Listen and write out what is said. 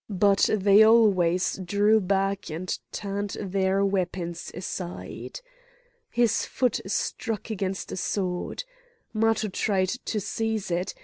But they always drew back and turned their weapons aside. His foot struck against a sword. Matho tried to seize it.